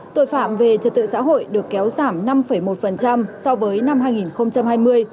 tội phạm về trật tự xã hội được kéo giảm năm một so với năm hai nghìn hai mươi